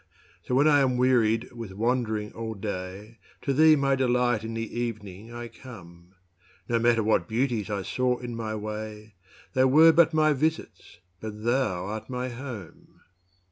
So when I am weary'd with wand'ring all day, To thee my delight in the evening I come: No matter what beauties I saw in my way: They were but my visits; but thou art my home.